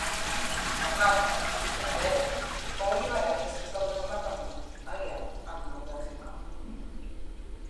Internat al sud d'Algèria, fou alliberat després del desembarcament aliat al Nord d'Àfrica.